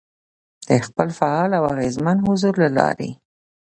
، د خپل فعال او اغېزمن حضور له لارې،